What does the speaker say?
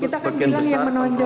kita kan bilang yang menonjol ya